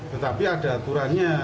tetapi ada aturannya